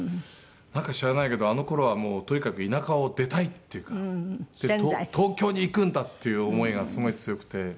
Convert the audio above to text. なんか知らないけどあの頃はもうとにかく田舎を出たいっていうか東京に行くんだっていう思いがすごい強くて。